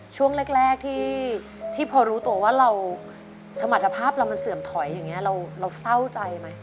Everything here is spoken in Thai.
เป็นเรื่องแรกที่พอรู้ตัวว่าเราสมัครภาพเสื่อมถอยอย่างนี้เราเศร้าใจไหม